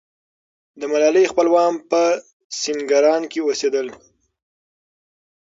د ملالۍ خپلوان په سینګران کې اوسېدل.